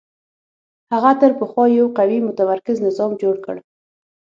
هغه تر پخوا یو قوي متمرکز نظام جوړ کړ